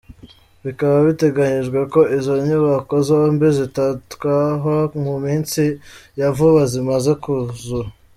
Bikaba biteganyijwe ko izo nyubako zombi zizatahwa mu minsi ya vuba zimaze kuzura.